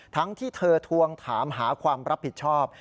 ทั้งที่เธอทวงถามหาความรับผิดชอบ